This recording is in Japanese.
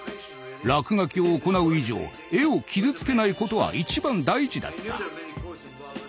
落書きを行う以上絵を傷つけないことはいちばん大事だった。